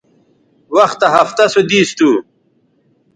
وختہ ہفتہ سو دیس تھو